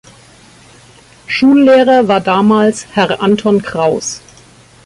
Schullehrer war damals Herr Anton Kraus.